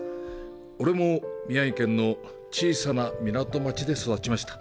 俺も宮城県の港町で育ちました。